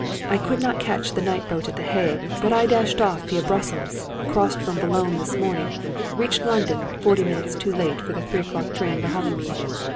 I could not catch the night boat at the Hague, but I dashed off via Brussels, crossed from Boulogne this morning, reached London forty minutes too late for the 3 o'clock train to Hollymead.